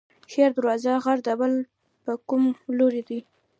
شیر دروازه غر د کابل په کوم لوري دی؟